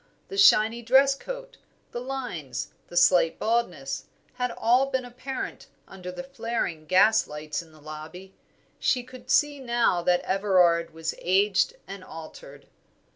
The shiny dress coat, the lines, the slight baldness, had all been apparent under the flaring gaslights in the lobby. She could see now that Everard was aged and altered.